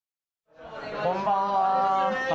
こんばんは。